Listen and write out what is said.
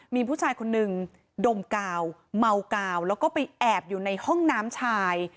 มีผู้ชายคนนึงดมกาวเมากาวแล้วก็ไปแอบอยู่ในห้องน้ำชาย